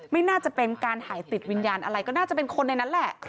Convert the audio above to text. ไม่น่าจะเป็นการหายติดวิญญาณอะไรก็น่าจะเป็นคนในนั้นแหละ